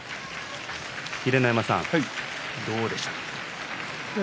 秀ノ山さん、どうでしたか？